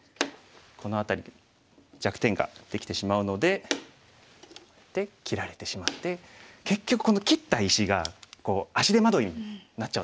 この辺り弱点ができてしまうので切られてしまって結局この切った石が足手まといになっちゃうんですよ。